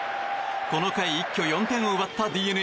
この回、一挙４点を奪ったＤｅＮＡ。